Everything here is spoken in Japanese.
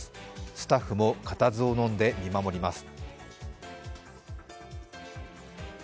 スタッフも固唾を呑んで見守ります。